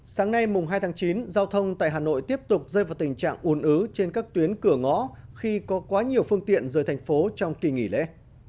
sáng nay mùng hai tháng chín giao thông tại hà nội tiếp tục rơi vào tình trạng ồn ứ trên các tuyến cửa ngõ khi có quá nhiều phương tiện rời thành phố trong kỳ nghỉ lễ